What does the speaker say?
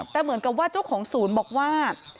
แต่เหมือนกับว่าเจ้าของศูนย์บอกว่า